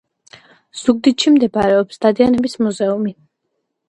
ზუგდიდში მდებარეობს დადიანების მუზეუმი